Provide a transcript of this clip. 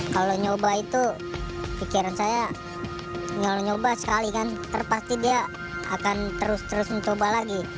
kalau nyoba itu pikiran saya nyala nyoba sekali kan terpasti dia akan terus terus mencoba lagi